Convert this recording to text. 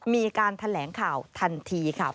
มีการแถลงข่าวทันทีค่ะ